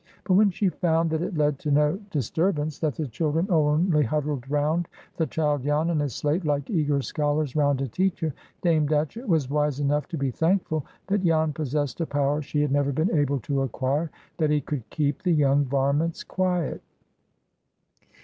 But when she found that it led to no disturbance, that the children only huddled round the child Jan and his slate like eager scholars round a teacher, Dame Datchett was wise enough to be thankful that Jan possessed a power she had never been able to acquire,—that he could "keep the young varments quiet."